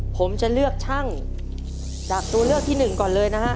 ผมจะเลือกช่างจากตัวเลือกที่หนึ่งก่อนเลยนะฮะ